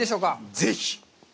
ぜひ！